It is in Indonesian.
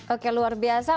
oke luar biasa